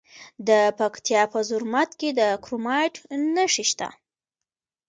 د پکتیا په زرمت کې د کرومایټ نښې شته.